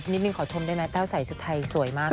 นิดนึงขอชมได้ไหมแต้วใส่ชุดไทยสวยมากเลย